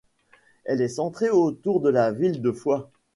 Elle est centrée autour de la ville de Foix.